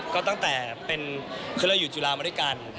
ก็ตั้งแต่เป็นคือเราอยู่จุฬามาด้วยกัน